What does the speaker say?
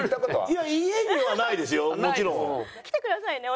いや家にはないですよもちろん。来てくださいね！